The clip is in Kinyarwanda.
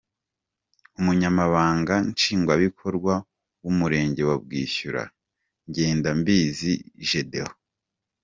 Umunyamabanga Nshingwabikorwa w’Umurenge wa Bwishyura, Ngendambizi Gedeon, .